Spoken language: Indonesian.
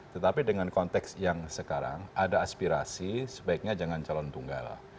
tetapi dengan konteks yang sekarang ada aspirasi sebaiknya jangan calon tunggal